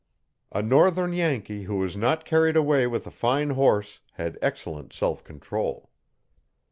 A Northern Yankee who was not carried away with a fine horse had excellent self control.